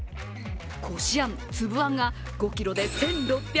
こしあん、つぶあんが５ｋｇで１６７４円。